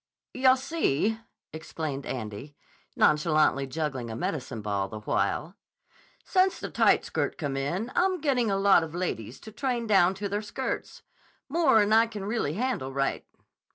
"Yah see," explained Andy, nonchalantly juggling a medicine ball the while, "since the tight skirt come in I'm getting a lot of ladies to train down to their skirts. More'n I can really handle right.